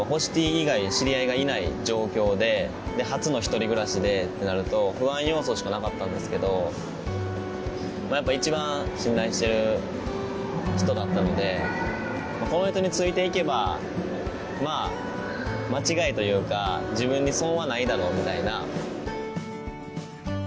以外知り合いがいない状況で初の一人暮らしでってなると不安要素しかなかったんですけどやっぱ一番信頼している人だったのでこの人についていけばまあ間違いというか自分に損はないだろうみたいな。